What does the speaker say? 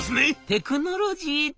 「テクノロジーと」。